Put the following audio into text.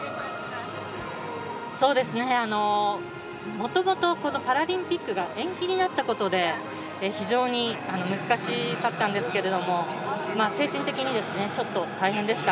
もともとパラリンピックが延期になったことで非常に難しかったんですが精神的にちょっと大変でした。